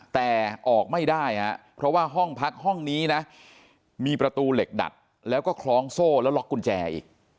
แต่ออกไม่ได้ฮะเพราะว่าห้องพักห้องนี้นะมีประตูเหล็กดัดแล้วก็คล้องโซ่แล้วล็อกกุญแจอีก